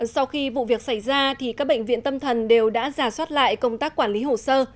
sau khi vụ việc xảy ra các bệnh viện tâm thần đều đã giả soát lại công tác quản lý hồ sơ